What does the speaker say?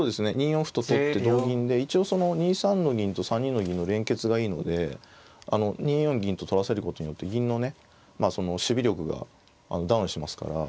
２四歩と取って同銀で一応その２三の銀と３二の銀の連結がいいので２四銀と取らせることによって銀のねまあその守備力がダウンしますから。